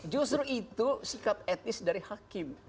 justru itu sikap etis dari hakim